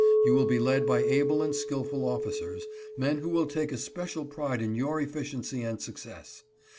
You will be led by able and skillful officers, men who will take especial pride in your efficiency and success.